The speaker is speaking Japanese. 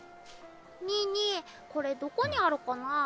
にーにーこれどこにあるかな？